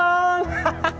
ハハハハ！